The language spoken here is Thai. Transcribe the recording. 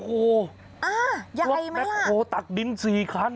โอ้โหตักดินสี่คัน